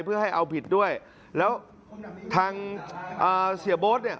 เพื่อให้เอาผิดด้วยแล้วทางอ่าเสียโบ๊ทเนี่ย